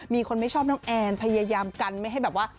มีคนไม่ชอบน้องแอนพยายามกันไม่ให้แบบว่า